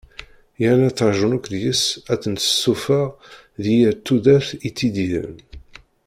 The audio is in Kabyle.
Yerna ttrajun akk deg-s ad ten-tessuffeɣ deg yir tudert i ttidiren.